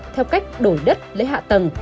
theo cách đổi đất lấy hạ tầng